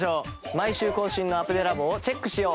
毎週更新のアプデラボをチェックしよう。